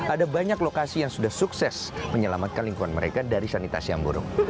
ada banyak lokasi yang sudah sukses menyelamatkan lingkungan mereka dari sanitasi yang buruk